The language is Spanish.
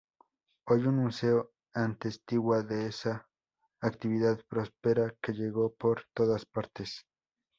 Hoy un museo atestigua de esa actividad próspera que llegó por todas partes.